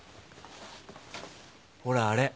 ほらあれ。